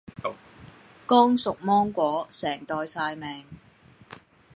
剛熟芒果，成袋曬命